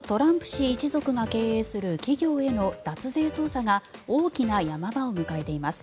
アメリカのトランプ氏一族が経営する企業への脱税捜査が大きな山場を迎えています。